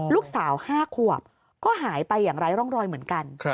ลูกสาว๕ขวบก็หายไปอย่างไร้ร่องรอยเหมือนกัน